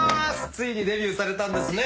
ついにデビューされたんですね。